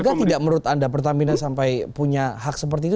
jadi tidak menurut anda pertamina sampai punya hak seperti itu